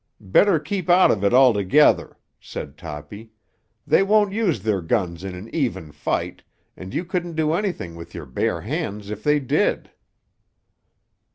"Better keep out of it altogether," said Toppy. "They won't use their guns in an even fight, and you couldn't do anything with your bare hands if they did."